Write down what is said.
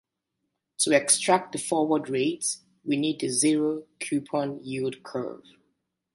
To extract the forward rate, we need the zero-coupon yield curve.